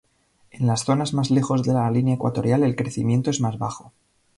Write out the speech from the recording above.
En las zonas más lejos de la línea ecuatorial el crecimiento es más bajo.